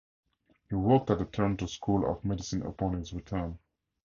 He worked at the Toronto School of Medicine upon his return.